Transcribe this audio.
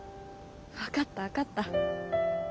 分かった分かった。